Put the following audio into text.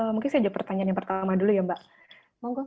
mungkin saya jawab pertanyaan yang pertama dulu ya mbak monggo